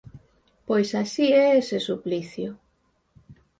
Pois así é ese suplicio.